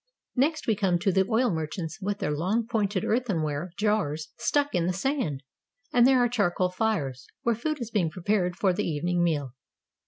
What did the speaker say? Next we come to the oil merchants with their long, pointed earthenware jars stuck in the sand; and there are charcoal fires, where food is being prepared for the evening meal.